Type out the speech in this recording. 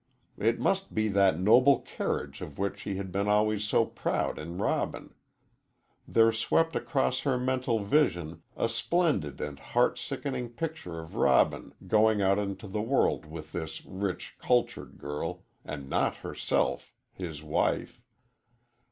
It must be that noble carriage of which she had been always so proud in Robin. There swept across her mental vision a splendid and heart sickening picture of Robin going out into the world with this rich, cultured girl, and not herself, his wife.